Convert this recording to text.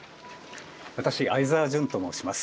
私鮎沢潤と申します。